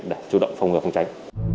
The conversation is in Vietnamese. để chủ động phòng ngừa không tránh